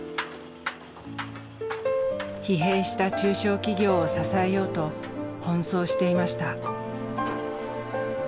疲弊した中小企業を支えようと奔走していました。